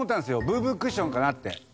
ブーブークッションかなって。